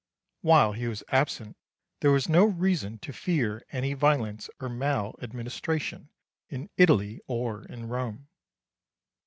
While he was absent there was no reason to fear any violence or maladministration in Italy or in Rome.